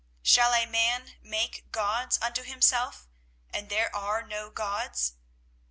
24:016:020 Shall a man make gods unto himself, and they are no gods?